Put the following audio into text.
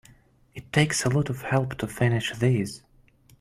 It takes a lot of help to finish these.